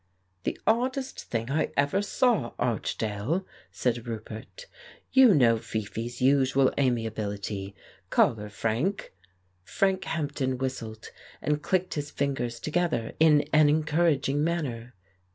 "The oddest thing I ever saw, Archdale," said Roupert. "You know Fifi's usual amiability. Call her, Frank." Frank Hampden whistled, and clicked his fingers together in an encouraging manner.